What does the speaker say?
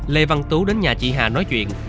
lê văn tú đến nhà chị hà nói chuyện